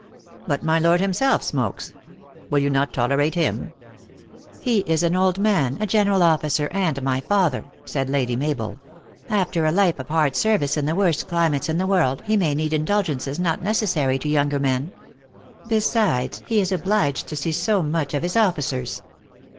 " But my Lord himself smokes. Will you not tol erate him ?"" He is an old man, a general officer, and my father," said Lady Mabel. " After a life of hard service in the worst climates in the world, he may need indulgences not necessary to younger men. Besides, he is obliged to see so much of his officers.